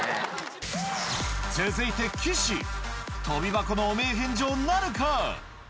続いて跳び箱の汚名返上なるか⁉